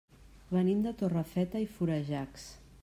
Venim de Torrefeta i Florejacs.